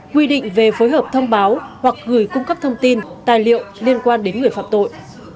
quy định về phối hợp thông báo hoặc gửi cung cấp thông tin tài liệu liên quan đến người phạm tội